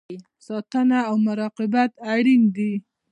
ساتنه او مراقبت اړین دی